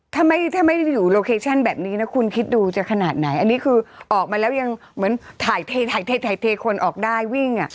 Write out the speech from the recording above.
ถ้าไม่ได้อยู่โลเคชั่นแบบนี้นะคุณคิดดูจะขนาดไหนอันนี้คือออกมาแล้วยังเหมือนถ่ายเทถ่ายเทคนออกได้วิ่ง